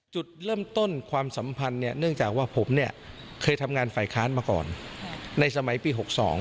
จุดเริ่มต้นความสัมพันธ์เนี่ยเนื่องจากว่าผมเนี่ยเคยทำงานฝ่ายค้านมาก่อนในสมัยปี๖๒